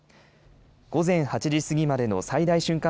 午前８時過ぎまでの最大瞬間